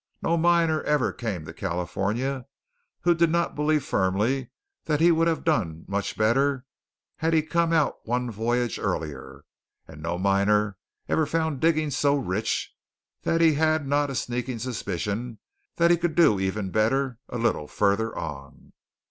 No miner ever came to California who did not believe firmly that he would have done much better had he come out one voyage earlier; and no miner ever found diggings so rich that he had not a sneaking suspicion that he could do even better "a little farther on."